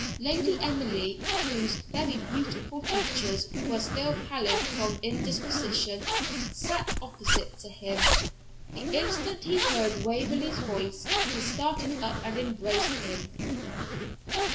Lady Emily, whose very beautiful features were still pallid from indisposition, sate opposite to him. The instant he heard Waverley's voice, he started up and embraced him.